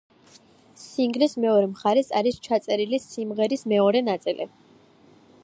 სინგლის მეორე მხარეს არის ჩაწერილი სიმღერის მეორე ნაწილი.